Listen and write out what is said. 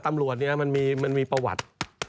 ตำรวจเนี่ยมันมีประวัติ